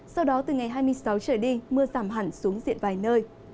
sau đó từ ngày hai mươi sáu trở đi mưa giảm hẳn xuống diện vài nơi